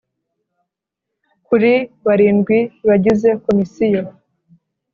kuri barindwi bagize Komisiyo